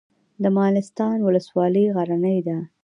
د مالستان ولسوالۍ غرنۍ ده